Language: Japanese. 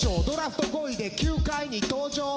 ドラフト５位で球界に登場